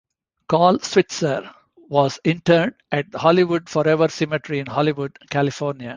Carl Switzer was interred at the Hollywood Forever Cemetery in Hollywood, California.